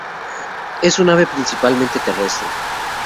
Es una ave principalmente terrestre.